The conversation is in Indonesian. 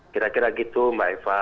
kira kira gitu mbak eva